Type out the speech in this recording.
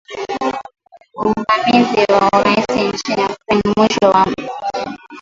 uvamizi wa Urusi nchini Ukraine mwishoni mwa Februari